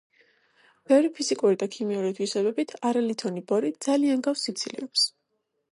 ბევრი ფიზიკური და ქიმიური თვისებებით არალითონი ბორი ძალიან გავს სილიციუმს.